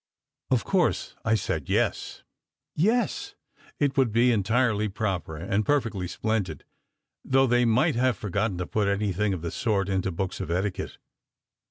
Of course I said yes yes, it would be entirely proper and perfectly splendid, though they might have forgotten to put anything of the sort into books of etiquette.